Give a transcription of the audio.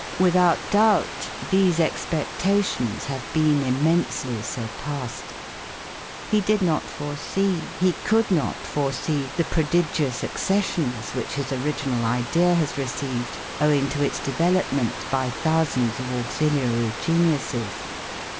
Without doubt, these expectations have been immensely surpassed. He did not foresee, he could not foresee, the prodigious accessions which his original idea has received owing to its development by thousands of auxiliary geniuses.